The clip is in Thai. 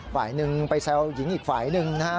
ฝ่ายหนึ่งไปแซวหญิงอีกฝ่ายหนึ่งนะฮะ